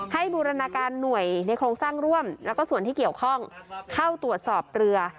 บูรณาการหน่วยในโครงสร้างร่วมแล้วก็ส่วนที่เกี่ยวข้องเข้าตรวจสอบเรือ